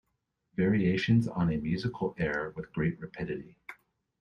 Variations on a musical air With great rapidity.